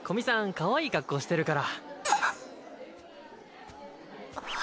かわいい格好してるから。